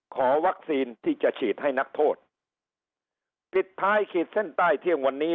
ขอวัคซีนที่จะฉีดให้นักโทษปิดท้ายขีดเส้นใต้เที่ยงวันนี้